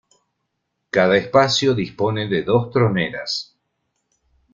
Cada espacio dispone de dos troneras.